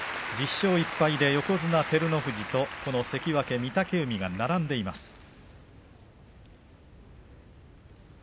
１０勝１敗で横綱照ノ富士と関脇御嶽海が並んでいます。